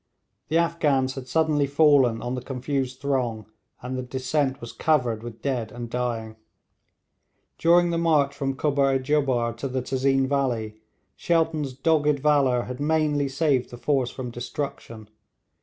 The Afghans had suddenly fallen on the confused throng, and the descent was covered with dead and dying. During the march from Kubbar i Jubbar to the Tezeen valley Shelton's dogged valour had mainly saved the force from destruction.